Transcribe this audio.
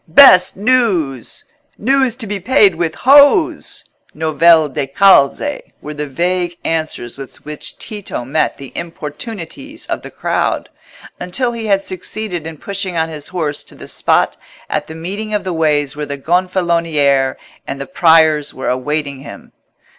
"Best news!" "News to be paid with hose!" (novelle da calze) were the vague answers with which Tito met the importunities of the crowd, until he had succeeded in pushing on his horse to the spot at the meeting of the ways where the Gonfaloniere and the Priors were awaiting him.